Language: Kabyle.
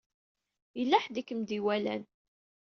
Yellla ḥedd i kem-id-iwalan.